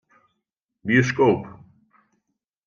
Bioskoop.